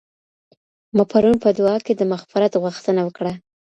ما پرون په دعا کي د مغفرت غوښتنه وکړه.